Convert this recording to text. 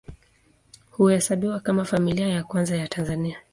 Huhesabiwa kama Familia ya Kwanza ya Tanzania.